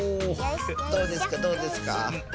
どうですかどうですか？